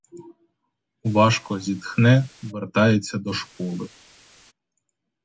Важко зітхне, вертається до школи.